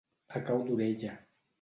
A cau d'orella.